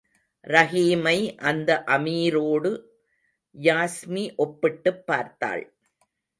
ரஹீமை அந்த அமீரோடு யாஸ்மி ஒப்பிட்டுப் பார்த்தாள்.